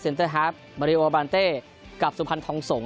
เซ็นเตอร์ฮาฟมาริโอวาบานเต้กับสุพรรณทองสงศ์